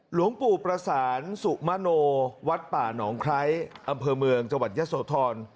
หลวงปู่ประสานสุมโนวัดป่าหนองไคร้อำเภอเมืองจังหวัดยะโสธร